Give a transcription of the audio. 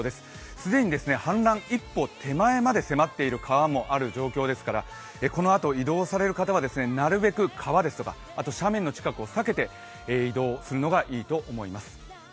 既に氾濫一歩手前まで迫っている川もある状況ですからこのあと移動される方はなるべく川ですとか斜面の近くを避けて移動するのがいいと思います。